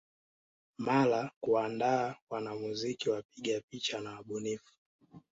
Mara kuandaa wanamuziki wapiga picha na wabunifu